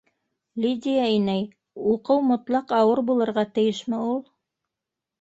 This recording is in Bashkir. Лидия инәй, уҡыу мотлаҡ ауыр булырға тейешме ул?